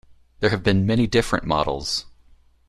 There have been many different models.